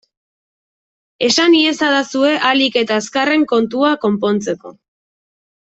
Esan iezadazue ahalik eta azkarren, kontua konpontzeko!